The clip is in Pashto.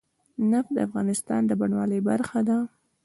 نفت د افغانستان د بڼوالۍ برخه ده.